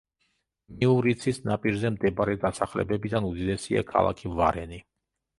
მიურიცის ნაპირზე მდებარე დასახლებებიდან უდიდესია ქალაქი ვარენი.